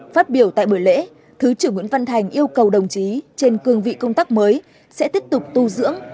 phát biểu tại buổi lễ thứ trưởng nguyễn văn thành yêu cầu đồng chí trên cương vị công tác mới sẽ tiếp tục tu dưỡng